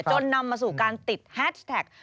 จนนำมาสู่การติดแฮชแท็ก